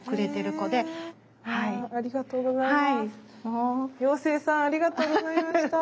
妖精さんありがとうございました。